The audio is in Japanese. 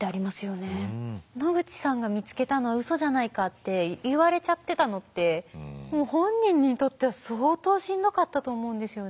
野口さんが見つけたのは嘘じゃないかって言われちゃってたのってもう本人にとっては相当しんどかったと思うんですよね。